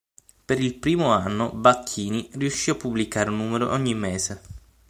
Per il primo anno Bacchini riuscì a pubblicare un numero ogni mese.